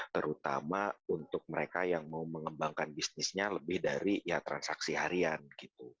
terutama untuk mereka yang mau mengembangkan bisnisnya lebih dari ya transaksi harian gitu